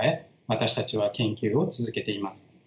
私たちは研究を続けています。